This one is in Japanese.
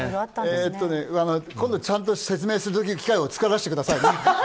今度ちゃんと説明する機会を作らせてくださいね。